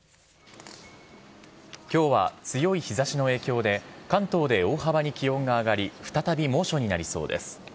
きょうは強い日ざしの影響で、関東で大幅に気温が上がり、再び猛暑になりそうです。